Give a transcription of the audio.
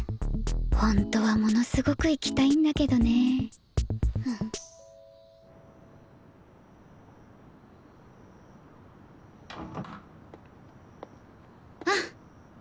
ほんとはものすごく行きたいんだけどねあっ。